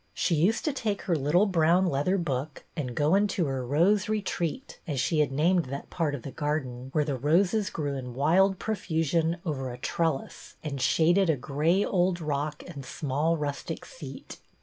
She used to take her little brown leather book and go into her Rose Retreat, as she had named that part of their garden where the roses grew in wild profusion over a trellis and shaded a gray old rock and small rustic seat.